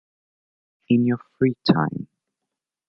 In your free time.